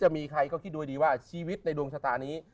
จะมีใครก็คิดดูดีว่าชีวิตในดวงชะตานี้